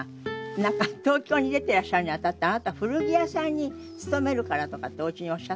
なんか東京に出てらっしゃるに当たってあなた古着屋さんに勤めるからとかっておうちにおっしゃったの？